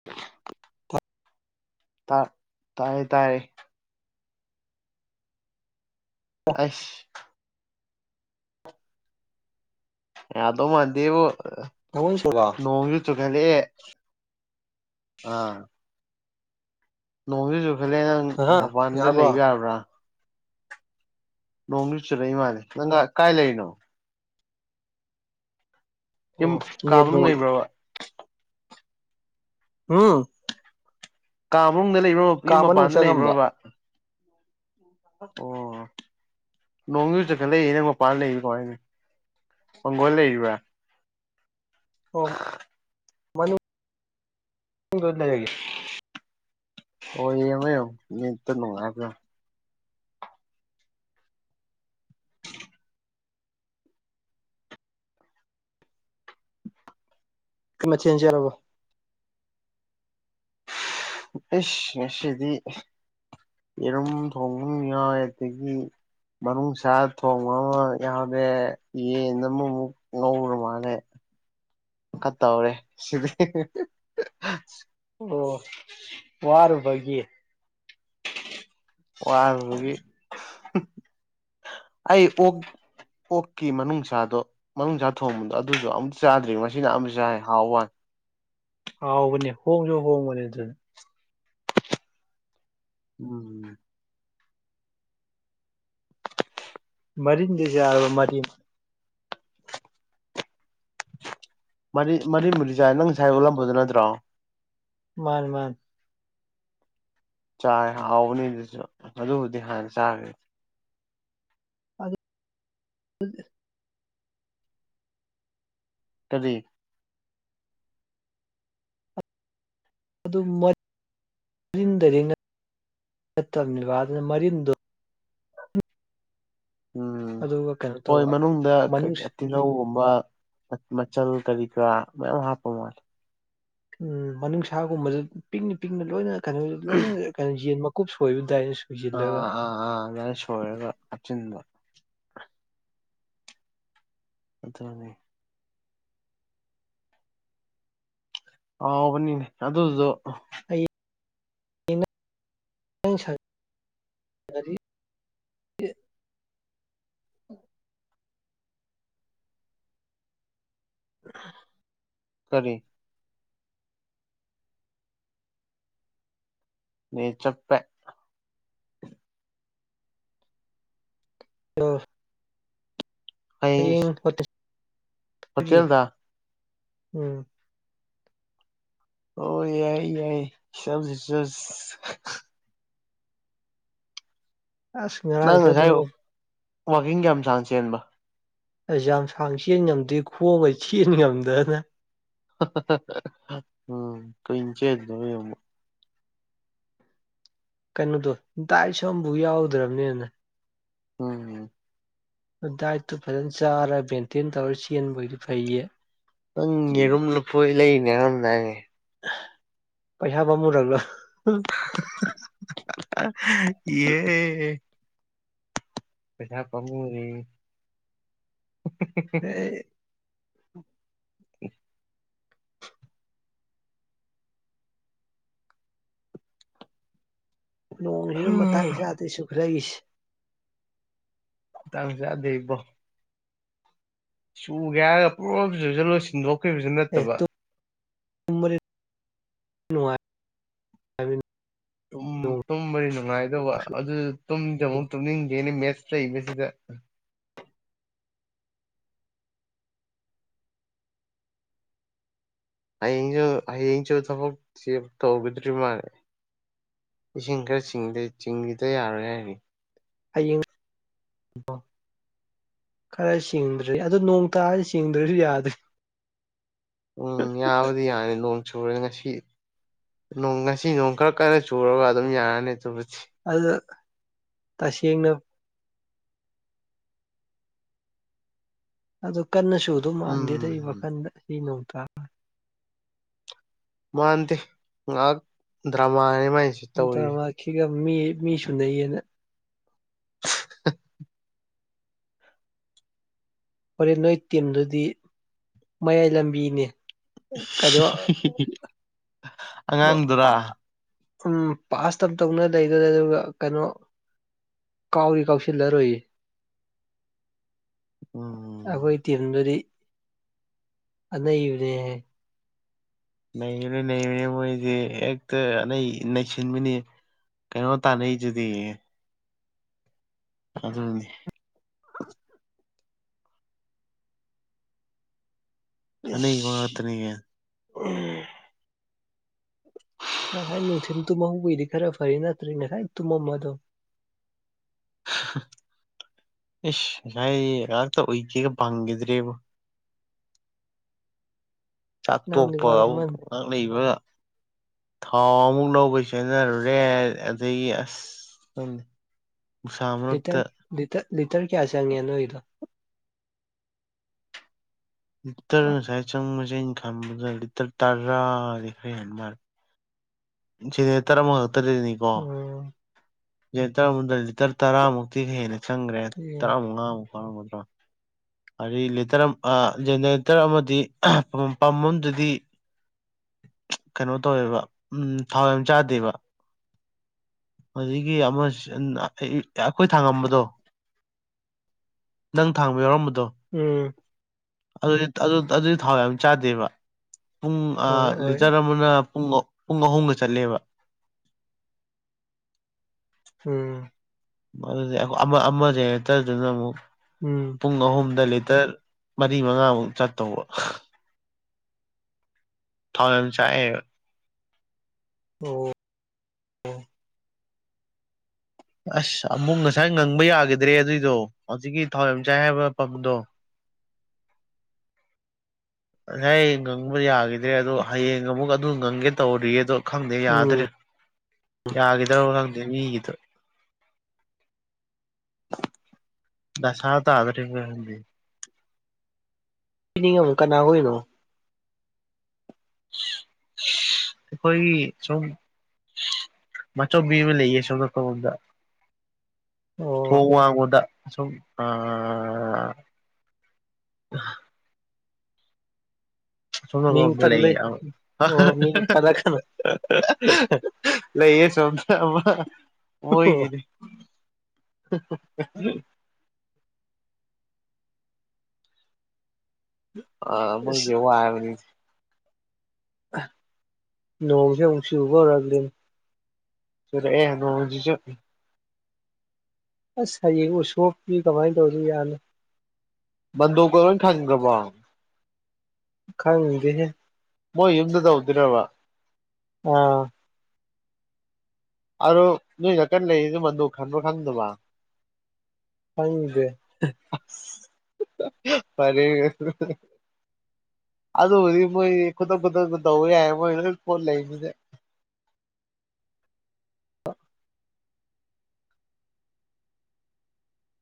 [unintelligible] ꯇꯥ ꯇꯥꯏꯌꯦ ꯇꯥꯏꯔꯦ ꯑꯩꯁ ꯌꯥꯗꯣ ꯃꯥꯟꯗꯦꯕꯣ ꯑꯥ ꯅꯪꯉꯣꯟ ꯁꯨꯔꯕ ꯅꯣꯡꯖꯨ ꯆꯨꯈꯠꯂꯦꯑꯦ꯫ ꯑꯥ ꯅꯣꯡꯖꯨ ꯆꯨꯈꯠꯂꯦ ꯅꯪ ꯑꯍ ꯃꯄꯥꯟꯗ ꯌꯥꯔꯕꯣ ꯂꯩꯕ ꯌꯥꯕ꯭ꯔꯥ? ꯅꯣꯡꯖꯨ ꯆꯨꯔꯛꯏ ꯃꯥꯜꯂꯦ ꯅꯪꯒꯥ ꯀꯥꯏ ꯂꯩꯔꯤꯅꯣ? ꯌꯨꯝ ꯑꯣ ꯀꯥ ꯅꯦꯠꯀ ꯃꯅꯨꯡ ꯂꯩꯕ꯭ꯔꯥꯕ? [unintelligible] ꯀꯥ ꯃꯅꯨꯡꯗ ꯂꯩꯕ꯭ꯔꯣ ꯌꯨꯝ ꯀꯥ ꯃꯅꯨꯡ ꯃꯄꯥꯟꯗ ꯆꯪꯉꯝꯕ ꯂꯩꯕ꯭ꯔꯣꯕ? [inaudible] ꯑꯣ ꯅꯣꯡꯖꯨ ꯆꯨꯈꯠꯂꯏ ꯅꯪ ꯃ ꯄꯥꯟ ꯂꯩ ꯀꯃꯥꯏꯅꯅꯣ ꯃꯪꯒꯣꯜ ꯂꯩꯔꯤꯕ꯭ꯔꯥ꯫ ꯑꯣ ꯃꯅꯨꯡ ꯗꯣꯂꯩꯔꯒꯦ꯫ ꯑꯣ ꯌꯦꯡꯉꯣ ꯌꯦꯡꯉꯣ ꯅꯤꯠꯇꯣ ꯅꯨꯡꯉꯥꯏꯕ꯭ꯔꯥ꯫ ꯀꯩ ꯃꯊꯦꯜ ꯆꯦꯟꯂꯕ꯫ ꯑꯦꯁ ꯉꯁꯤꯗꯤ ꯌꯦꯔꯨꯝ ꯊꯣꯡꯕ ꯑꯝ ꯌꯥꯎꯋꯦ ꯑꯗꯒꯤ ꯃꯥꯅꯨꯡꯁꯥ ꯊꯣꯡꯕ ꯑꯃꯥ ꯌꯥꯎꯔꯦ ꯌꯦꯟ ꯑꯃꯃꯨꯛ ꯉꯧꯔ ꯃꯥꯜꯂꯦ ꯈꯥ ꯇꯧꯔꯦ ꯁꯤꯗꯤ꯫ ꯑꯣ ꯋꯥꯔꯨꯕꯒꯤ꯫ ꯋꯥꯔꯨꯕꯒꯤ ꯑꯩ ꯑꯣꯛ ꯑꯣꯛꯀꯤ ꯃꯅꯨꯡꯁꯥꯗꯣ ꯃꯅꯨꯡ ꯁꯥ ꯊꯣꯡꯕꯗꯣ ꯑꯗꯨꯗꯣ ꯑꯃꯨꯛ ꯆꯥꯗ꯭ꯔꯤꯉꯣ ꯉꯁꯤꯅ ꯑꯍꯥꯝꯕ ꯆꯥꯏ ꯍꯥꯎꯋꯥꯅꯦ꯫ ꯍꯥꯎꯕꯅꯦ ꯍꯣꯡꯖꯨ ꯍꯣꯡꯕꯅꯦ ꯑꯗꯨ ꯎꯝ ꯃꯔꯤꯟꯗꯤ ꯆꯥꯔꯕ ꯃꯔꯤꯟ꯫ ꯃꯔꯤ ꯃꯔꯤꯟꯕꯨꯗꯤ ꯆꯥꯏ ꯅꯪ ꯉꯁꯥꯏ ꯎꯠꯂꯝꯕꯗꯨ ꯅꯠꯇ꯭ꯔꯣ꯫ ꯃꯥꯥꯅꯦ ꯃꯥꯥꯅꯦ ꯆꯥꯏ ꯍꯥꯎꯕꯅꯤ ꯑꯗꯨꯁꯨ ꯑꯗꯨꯕꯨꯗꯤ ꯍꯥꯟꯅ ꯆꯥꯒ꯭ꯔꯦ꯫ ꯑꯗꯨ [unintelligible] ꯀꯔꯤ ꯑꯗꯨꯃ ꯔꯤꯟ ꯗꯥꯏꯔꯦꯛ ꯅꯠ ꯅꯠꯇꯅꯦꯕ ꯑꯗꯨ ꯃꯔꯤꯟ ꯎꯝ ꯑꯗꯨꯒ ꯀꯩꯅꯣ ꯍꯣꯏ ꯇꯧꯕ ꯃꯅꯨꯡꯗ ꯃꯅꯨꯡ ꯀꯩꯀ ꯇꯤꯜꯂꯧꯒꯨꯝꯕ ꯃ ꯃꯆꯜ ꯀꯔꯤ ꯀꯔꯥ ꯃꯌꯥꯝ ꯍꯥꯞꯄ ꯃꯥꯜꯂꯦ꯫ ꯎꯝ ꯃꯅꯨꯡꯁꯥꯒꯨꯝꯕꯖꯨ ꯄꯤꯛꯅ ꯄꯤꯛꯅ ꯂꯣꯏꯅ ꯀꯩꯅꯣ ꯂꯣꯏꯅ ꯀꯩꯅꯣ ꯌꯦꯟ ꯃꯀꯨꯞ ꯁꯣꯏꯕꯗꯥꯏꯅꯁꯨ ꯑꯥ ꯍꯥ ꯍꯥ ꯑꯗꯥꯏꯅ ꯁꯣꯏꯔꯒ ꯍꯥꯞꯆꯤꯟꯕ꯫ ꯑꯗꯨꯅꯤ ꯑꯥꯎꯕꯅꯤꯅꯦ ꯑꯗꯨꯗꯣ ꯍꯌꯦꯡ [unintelligible] ꯁꯪꯉꯗꯤ [inaudible] [inaudible] ꯀꯔꯤ ꯅꯦꯠ ꯆꯞꯄꯦ [unintelligible] ꯍꯌꯦꯡ ꯍꯣꯇꯦꯠ ꯍꯣꯇꯦꯜꯗꯥ ꯎꯝ ꯑꯣ ꯌꯥꯏꯌꯦ ꯌꯥꯏ ꯁ꯭ꯂꯦꯞ ꯗꯤꯖꯁ ꯑꯁ ꯅꯪ ꯉꯔꯥꯡꯁꯨ ꯉꯁꯥꯏ ꯑꯗꯨꯃꯛ ꯋꯥꯛꯀꯤꯡ ꯀꯌꯥꯝ ꯁꯥꯡ ꯆꯦꯟꯕ ꯑꯁ ꯌꯥꯝ ꯁꯥꯡ ꯆꯦꯟ ꯉꯝꯗꯦ ꯈꯣꯡꯒ ꯆꯦꯟ ꯉꯝꯗꯅ꯫ ꯎꯝ ꯀꯨꯏ ꯆꯦꯟꯂꯨꯗꯕꯩ ꯑꯃꯨꯛ ꯀꯩꯅꯣꯗꯣ ꯗꯥꯏꯁꯁꯣꯝꯕꯨ ꯌꯥꯎꯗ꯭ꯔꯝꯅꯤꯅꯅꯦ꯫ ꯎꯝ ꯗꯥꯏꯠꯇꯨ ꯐꯖꯅ ꯆꯥꯔ ꯕꯦꯟꯇꯦꯟ ꯇꯧꯔ ꯆꯦꯟꯕ ꯑꯣꯏꯗꯤ ꯐꯩꯌꯦ꯫ ꯅꯪ ꯌꯦꯔꯨꯝ ꯂꯐꯣꯏ ꯂꯩꯅꯦ ꯍꯥꯏꯔꯝ ꯗꯥꯏꯅꯦ꯫ ꯄꯩꯁꯥ ꯄꯥꯝꯃꯨꯔꯕ꯭ꯔ ꯍꯥ [unintelligible] ꯌꯦ ꯄꯩꯁꯥꯝ ꯄꯥꯝꯃꯨꯔꯦ [unintelligible] [inaudible] ꯅꯣꯡꯖꯤꯅ ꯃꯇꯥꯡ ꯆꯥꯗꯦ ꯆꯨꯈ꯭ꯔꯏꯁꯦ ꯃꯇꯥꯡ ꯆꯥꯗꯦ ꯏꯕꯣ ꯆꯨꯒꯦ ꯍꯥꯏꯔꯒ [unintelligible] ꯁꯤꯟꯗꯣꯛꯈꯤꯕꯁꯨ ꯑꯦ ꯅꯠꯇꯕ ꯇꯨꯝꯕꯗꯤ ꯅꯨꯡꯉꯥꯏ ꯎꯝ ꯇꯨꯝꯕꯗꯤ ꯅꯨꯡꯉꯥꯏꯗꯧꯕ ꯑꯗꯨ ꯇꯨꯝꯗꯤ ꯑꯃꯨꯛ ꯇꯨꯝꯅꯤꯡꯗꯦꯅꯦ ꯃꯦꯠꯁ ꯂꯩꯕꯁꯤꯗ ꯍꯌꯦꯡꯁꯨ ꯍꯌꯦꯡꯁꯨ ꯊꯕꯛ ꯆꯤꯞ ꯇꯧꯒꯗ꯭ꯔꯤ ꯃꯥꯜꯂꯦ ꯏꯁꯤꯡ ꯈ꯭ꯔ ꯆꯤꯡꯗ ꯆꯤꯡꯒꯤꯗ ꯌꯥꯔꯣꯏ ꯍꯥꯏꯔꯤ ꯍꯌꯦꯡ [unintelligible] ꯈꯔ ꯁꯤꯡꯗ꯭ꯔꯦ ꯑꯗꯨ ꯅꯣꯡ ꯇꯥꯔꯗꯤ ꯁꯤꯡꯗ꯭ꯔꯁꯨ ꯌꯥꯗ꯭ꯔꯦ ꯎꯝ ꯌꯥꯕꯗꯤ ꯌꯥꯏꯌꯦ ꯅꯣꯡ ꯆꯨꯔꯦ ꯉꯁꯤ ꯅꯣꯡ ꯉꯁꯤ ꯅꯣꯡ ꯈꯔ ꯀꯟꯅ ꯆꯨꯔꯒ ꯑꯗꯨꯝ ꯌꯥꯔꯅꯤ ꯆꯨꯔꯁꯤ ꯑꯗꯨꯗ ꯇꯁꯦꯡꯅ ꯑꯗꯨ ꯀꯟꯅ ꯆꯨꯗꯨ ꯃꯥꯟꯗꯦꯗ ꯑꯩ ꯎꯝ ꯋꯥꯈꯟꯗ ꯁꯤ ꯅꯣꯡꯇꯥ ꯃꯥꯟꯗꯦ ꯉꯍꯥꯛ ꯗ꯭ꯔꯃꯥꯅꯦ ꯃꯥꯥꯏꯁꯦ ꯗ꯭ꯔꯃꯥꯈꯤꯒ ꯃꯤ ꯃꯤ ꯁꯨꯨꯅꯩꯌꯦꯅ ꯍꯣꯔꯦꯟ ꯅꯣꯏ ꯇꯤꯝꯗꯨꯗꯤ ꯃꯌꯥꯏ ꯂꯝꯕꯤꯅꯦ ꯀꯩꯅꯣ [unintelligible] [unintelligible] ꯎꯝ ꯄꯥꯁ ꯇꯞ ꯇꯧꯅ ꯂꯩꯗꯣꯔꯦ ꯑꯗꯨꯒ ꯀꯅꯣ ꯀꯥꯎꯗꯤ ꯀꯥꯎꯁꯤꯜꯂꯔꯣꯏꯌꯦ ꯎꯝ ꯑꯈꯣꯏ ꯇꯤꯝꯗꯨꯗꯤ ꯑꯅꯩꯕꯅꯦꯍꯦ ꯅꯩꯒꯦꯔ ꯅꯩꯔꯣꯏꯔ ꯃꯣꯏꯗꯤ ꯍꯦꯛꯇ ꯑꯅꯩ ꯅꯩꯁꯤꯟꯕꯅꯤ ꯀꯩꯅꯣ ꯇꯥꯅꯩꯗꯨꯗꯤ ꯑꯗꯨꯅꯤ ꯑꯅꯩꯕ ꯏ꯭ꯁ ꯉꯥꯛꯇꯅꯤ ꯎꯝ ꯉꯁꯥꯏ ꯅꯨꯡꯊꯤꯟ ꯇꯨꯝꯍꯧꯕꯩꯗꯤ ꯈꯔ ꯐꯔꯦ ꯅꯠꯇ꯭ꯔꯗꯤ ꯉꯁꯥꯏ ꯇꯨꯝꯃꯝꯃꯗꯧ ꯏꯁ ꯍꯩ ꯉꯍꯥꯛꯇ ꯎꯏꯒꯦꯒ ꯐꯪꯒꯤꯗ꯭ꯔꯦꯕꯣ ꯆꯥꯛ ꯅꯪꯗꯤ ꯇꯣꯛꯄ ꯑꯃꯨꯛ ꯋꯥꯔꯝꯃꯅꯤ ꯉꯥꯛ ꯂꯩꯕ ꯊꯥꯎ ꯑꯃꯨꯛ ꯂꯧꯕꯩ ꯆꯦꯟꯅꯔꯨꯔꯦ ꯑꯗꯒꯤ ꯑ꯭ꯁ ꯂꯤꯇꯔ ꯂꯤꯇ ꯂꯤꯇꯔ ꯀꯌꯥ ꯆꯪꯉꯦ ꯅꯣꯏꯗꯣ ꯂꯤꯇꯔ ꯉꯁꯥꯏ ꯆꯪꯕꯁꯦ ꯑꯩꯟ ꯈꯟꯕꯗ ꯂꯤꯇꯔ ꯇꯥꯔꯥꯗꯤ ꯈꯔ ꯍꯦꯟ ꯃꯥꯜꯂꯦ ꯖꯦꯅꯦꯔꯦꯇꯔ ꯑꯃꯈꯛꯇꯗꯅꯤꯀꯣ ꯎꯝ ꯖꯦꯅꯦꯇꯔ ꯑꯝꯇ ꯂꯤꯇꯔ ꯇꯔꯥꯃꯨꯛꯇꯤ ꯍꯦꯟꯅ ꯆꯪꯒ꯭ꯔꯦ ꯇꯔꯥ ꯃꯉꯥꯃꯨꯛ [unintelligible] ꯑꯗꯩ ꯂꯤꯇ꯭ꯔ ꯑꯝ ꯑꯥ ꯖꯦꯅꯦꯔꯦꯇꯔ ꯑꯃꯗꯤ ꯄꯝ ꯑꯃꯗꯗꯤ ꯀꯅꯣ ꯇꯧꯋꯦꯕ ꯎꯝ ꯊꯥꯎ ꯌꯥꯝ ꯆꯥꯗꯦꯕ ꯑꯗꯒꯤ ꯑꯃ [unintelligible] ꯑꯈꯣꯏ ꯊꯥꯉꯝꯕꯗꯣ ꯅꯪ ꯊꯥꯡꯕ ꯌꯥꯎꯔꯝꯕꯗꯣ ꯑꯦ ꯑꯗꯨꯠ ꯑꯗꯨ ꯑꯗꯨꯗꯤ ꯊꯥꯎ ꯌꯥꯝ ꯆꯥꯗꯦꯕ ꯄꯨꯡ ꯑꯥ ꯍꯣꯏ ꯍꯣꯏ ꯂꯤꯇꯔ ꯑꯃꯅ ꯄꯨꯡ ꯑꯥ ꯄꯨꯡ ꯑꯍꯨꯝꯒ ꯆꯠꯂꯦꯕ ꯎꯝ ꯑꯗꯨꯗꯤ ꯑꯃ ꯑꯃ ꯑꯃ ꯖꯦꯅꯦꯇꯔꯗꯨꯅ ꯑꯃꯨꯛ ꯎꯝ ꯄꯨꯡ ꯑꯍꯨꯝꯗ ꯂꯤꯇꯔ ꯃꯔꯤ ꯃꯉꯥꯃꯨꯛ ꯆꯠꯇꯧꯕ ꯊꯥꯎ ꯌꯥꯝ ꯆꯥꯛꯑꯦꯒ ꯑꯣ ꯑꯁ ꯑꯃꯨꯛ ꯉꯁꯥꯏ ꯉꯪꯕ ꯌꯥꯈꯤꯗ꯭ꯔꯦ ꯑꯗꯨꯏꯗꯣ ꯍꯧꯖꯤꯛꯀꯤ ꯊꯥꯎ ꯌꯥꯝ ꯆꯥꯏ ꯍꯥꯏꯕ ꯄꯝꯗꯣ ꯉꯁꯥꯏ ꯉꯪꯕ ꯌꯥꯒꯤꯗ꯭ꯔꯦ ꯑꯗꯣ ꯍꯌꯦꯡ ꯑꯃꯨꯛ ꯑꯗꯨ ꯉꯪꯒꯦ ꯇꯧꯔꯤꯌꯦ ꯑꯗꯣ ꯈꯪꯗꯦ ꯎꯝ ꯌꯥꯗꯔꯦ ꯌꯥꯒꯤꯗ꯭ꯔꯕ ꯈꯪꯗꯦ ꯃꯤꯒꯤꯗꯨ ꯗꯁꯥ ꯇꯥꯒꯗꯧꯔꯤꯕ꯭ꯔꯥ ꯈꯪꯗꯦ ꯄꯤꯅꯤꯡꯉꯝ ꯀꯅꯥ ꯑꯣꯏꯅꯣ [inaudible] ꯑꯩꯈꯣꯏꯒꯤ ꯁꯨꯝ ꯃꯥꯆꯧꯕꯤ ꯑꯃ ꯂꯩꯌꯦ ꯁꯣꯝ ꯃꯄꯥꯟ ꯂꯣꯝꯗ [inaudible] ꯊꯣꯡ ꯋꯥꯡꯃꯗ ꯑꯁꯨꯝ ꯑꯥ ꯑꯁꯣꯝ ꯃꯤꯡ ꯅꯥꯀꯟꯔꯣꯝꯗ ꯂꯩꯌꯦ ꯄꯟꯕꯩ ꯑꯣ ꯃꯤꯡ ꯄꯜꯂꯛꯀꯅꯨ ꯍꯥ ꯍꯥ ꯂꯩꯌꯦ ꯁꯨꯝ [unintelligible] ꯑꯃ ꯑꯣ ꯃꯣꯏꯒꯤꯅꯤ [unintelligible] ꯑꯥ ꯃꯣꯏꯒꯤ ꯑꯁ ꯋꯥꯕꯅꯤ ꯑꯍ ꯅꯣꯡꯁꯦ ꯑꯃꯨꯛ ꯆꯨꯕ ꯍꯧꯔꯛꯂꯦꯅꯦ ꯆꯨꯔꯛꯑꯦ ꯅꯣꯡꯖꯤꯖꯨ ꯑꯁ ꯍꯌꯦꯡ ꯎꯁꯣꯞꯇꯤ ꯀꯃꯥꯏ ꯇꯧꯗꯣꯏꯖꯥꯅꯣ ꯕꯟꯗꯣꯛꯀ ꯂꯣꯏ ꯈꯟꯒ꯭ꯔꯕꯣ ꯈꯪꯗꯦꯍꯦ ꯃꯣꯏ ꯌꯨꯝꯗꯨꯗ ꯇꯧꯗꯨꯏꯔꯕ ꯑꯥ ꯑꯗꯣ ꯅꯣꯏ ꯅꯀꯟ ꯂꯩꯔꯤꯖꯨ ꯃꯥꯟꯗꯣꯞ ꯈꯟꯕ꯭ꯔꯥ ꯈꯪꯗꯕ ꯈꯪꯗꯦ [unintelligible] ꯄꯔꯦꯡ ꯉꯥꯛꯇꯅꯦ ꯑꯗꯨꯕꯨꯗꯤ ꯃꯣꯏ ꯈꯨꯗꯛ ꯈꯨꯗꯛꯇ ꯇꯧꯕ ꯌꯥꯏ ꯃꯣꯏ ꯂꯣꯏ ꯄꯣꯠ ꯂꯩꯅꯤꯅꯦ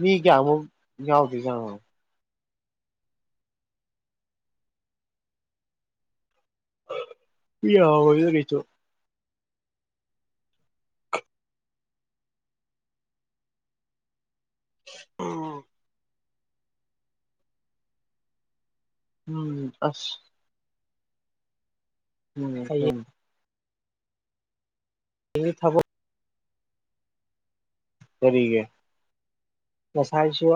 ꯃꯤ ꯀꯌꯥꯃꯨꯛ ꯌꯥꯎꯗꯨꯏꯖꯥꯅꯣ ꯃꯤ ꯌꯥꯝꯃꯣꯏꯗ ꯀꯩꯁꯨ ꯎꯝ ꯎꯝ ꯑꯁ ꯍꯌꯦꯡꯗꯤ [unintelligible] [unintelligible] ꯊꯕꯛ ꯀꯔꯤꯒꯤ ꯉꯁꯥꯏꯁꯨ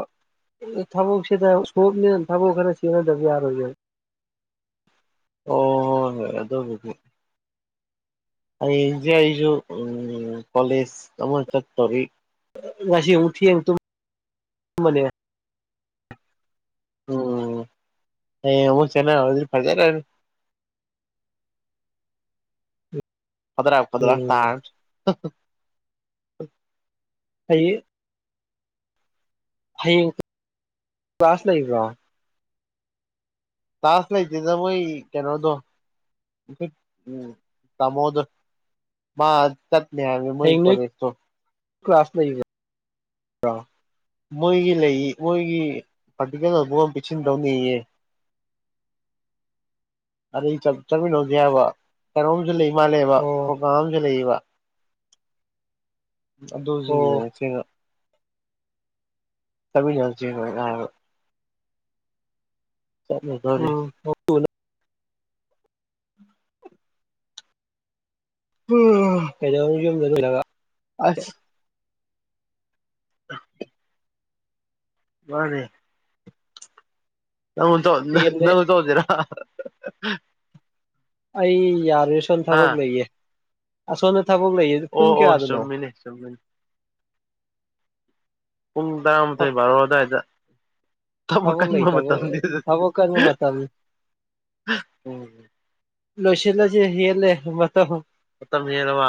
ꯊꯕꯛꯁꯤꯗ ꯎꯁꯣꯞꯅꯤꯅ ꯊꯕꯛ ꯈꯔ ꯆꯦꯟꯅꯗꯕ ꯌꯥꯔꯣꯏꯌꯦ ꯑꯣ ꯍꯣꯏ ꯍꯣꯏ ꯑꯗꯨꯕꯨꯗꯤ ꯍꯌꯦꯡꯖꯦ ꯑꯩꯖꯨ ꯎꯝ ꯀꯣꯂꯦꯖ ꯑꯃ ꯆꯠꯇꯧꯔꯤ ꯉꯁꯤ ꯑꯃꯨꯛ ꯊꯦꯡ ꯇꯨꯝ ꯃꯅꯦ ꯑꯣ ꯍꯌꯦꯡ ꯑꯃꯨꯛ ꯆꯦꯟꯅꯔꯗꯤ ꯐꯖꯔꯅꯤ ꯐꯗ꯭ꯔꯥꯛ ꯐꯗ꯭ꯔꯥꯛ ꯎꯝ ꯇꯥꯔꯅꯤ ꯍꯨꯝ ꯑꯩ ꯍꯌꯦꯡ ꯀ꯭ꯂꯥꯁ ꯂꯩꯕ꯭ꯔꯣ ꯀ꯭ꯂꯥꯁ ꯂꯩꯇꯦꯗ ꯃꯣꯏꯒꯤ ꯀ‌ꯦꯅꯣꯗꯣ ꯎꯝ ꯇꯥꯃꯣꯗꯣ ꯃꯥ ꯆꯠꯅꯦ ꯍꯥꯏꯕꯅꯦ ꯃꯣꯏ ꯍꯌꯦꯡ ꯅꯣꯏ ꯀꯣꯂꯦꯛꯇꯣ ꯀ꯭ꯂꯥꯁ ꯂꯩꯕ꯭ꯔꯣ ꯃꯣꯏꯒꯤ ꯂꯩ ꯃꯣꯏꯒꯤ ꯄ꯭ꯔꯥꯛꯇꯤꯀꯦꯜ ꯅꯣꯠ ꯕꯨꯛ ꯑꯝ ꯄꯤꯁꯤꯟꯗꯧꯅꯦꯌꯦ ꯑꯗꯩ ꯆꯞ ꯆꯠꯃꯤꯟꯅꯧꯖꯦ ꯍꯥꯏꯕ ꯀꯩꯅꯣꯝꯖꯨ ꯂꯩ ꯃꯥꯜꯂꯦꯕ ꯑꯣ ꯄ꯭ꯔꯣꯒꯥꯝ ꯑꯝꯗꯤ ꯂꯩꯌꯦꯕ ꯑꯗꯨꯖꯤ ꯑꯣ ꯌꯦꯉꯛꯁ‌ꯦꯅ ꯇꯕꯤ ꯌ‌ꯦꯉꯛꯆ‌ꯦꯅ [unintelligible] ꯆꯠꯂꯨꯗꯣꯔꯤ ꯎꯝ [unintelligible] [unintelligible] ꯀ‌ꯦꯗꯧꯅꯤ ꯌꯨꯝꯗ ꯂ‌ꯣꯏꯔꯒ ꯑꯁ ꯋꯥꯔꯦ ꯅꯉꯣꯟ ꯇꯧ ꯅꯍ ꯍꯦꯟꯅ ꯅꯉꯣꯟ ꯇꯧꯖꯤꯔ ꯑꯩ ꯌꯥꯔꯣꯏ ꯑꯁꯣꯟ ꯍꯥ ꯊꯕꯛ ꯂꯩꯌꯦ ꯑꯁꯣꯝꯗ ꯊꯕꯛ ꯂꯩꯌꯦ ꯑꯣ ꯄꯨꯡ ꯑꯣ ꯀꯌꯥꯗꯅꯣ ꯆꯨꯝꯃꯤꯅꯦ ꯆꯨꯝꯃꯤꯅꯦ ꯄꯨꯡ ꯇꯔꯥ ꯃꯊꯣꯏ ꯕꯥꯔꯣ ꯑꯗꯥꯏꯗ ꯊꯕꯛ ꯂꯩꯇꯕ ꯊꯕꯛ ꯀꯟꯕ ꯃꯇꯝꯅꯤ ꯎꯝ ꯂꯣꯏꯁꯤꯜꯂꯖ‌ꯦ ꯍꯦꯜꯂꯦ ꯃꯇꯝ ꯃꯇꯝ ꯍꯦꯜꯂꯕ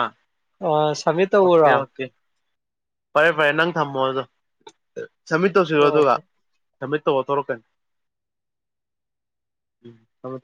ꯁꯝꯃꯤꯠ ꯑꯣꯀꯦ ꯇꯧꯕꯔꯣ ꯑꯣꯀꯦ ꯐꯔꯦ ꯐꯔꯦ ꯅꯪ ꯊꯝꯃꯣ ꯑꯗꯣ ꯁꯝꯃꯤꯠ ꯇꯧꯁꯤꯜꯂꯣ ꯑꯣ ꯑꯗꯨꯒ ꯁꯝꯃꯤꯠ ꯇꯧꯑꯣ ꯊꯣꯔꯛꯀꯟ ꯎꯝ ꯊꯝꯃꯦ